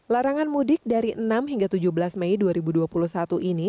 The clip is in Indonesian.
larangan mudik dari enam hingga tujuh belas mei dua ribu dua puluh satu ini